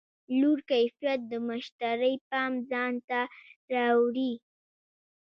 لوړ کیفیت د مشتری پام ځان ته رااړوي.